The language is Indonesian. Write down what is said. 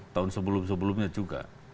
tahun sebelum sebelumnya juga